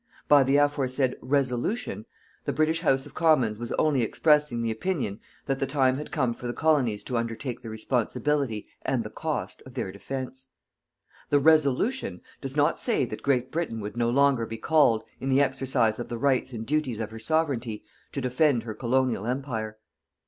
By the aforesaid "Resolution," the British House of Commons was only expressing the opinion that the time had come for the Colonies to undertake the responsibility and the cost of their defence. The "Resolution" does not say that Great Britain would no longer be called, in the exercise of the rights and duties of her Sovereignty, to defend her Colonial Empire.